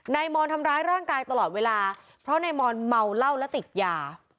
มอนทำร้ายร่างกายตลอดเวลาเพราะนายมอนเมาเหล้าและติดยา